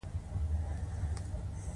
مصنوعي ځیرکتیا د روغ ژوند ملاتړ کوي.